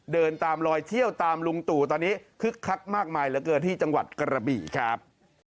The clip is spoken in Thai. เดินตามลอยเที่ยวตามลุงตู่ตอนนี้คึกคักมากมายเหลือเกินที่จังหวัดกระบี่ครับ